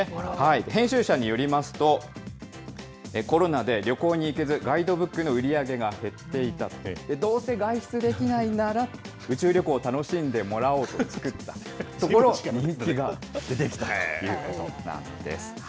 編集者によりますと、コロナで旅行に行けず、ガイドブックの売り上げが減っていた、どうせ外出できないなら、宇宙旅行を楽しんでもらおうと作ったところ、人気が出てきたということなんです。